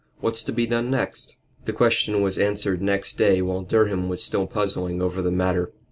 What's to be done next?" The question was answered next day while Durham was still puzzling over the matter.